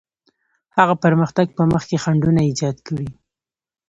هغه پرمختګ په مخ کې خنډونه ایجاد کړي.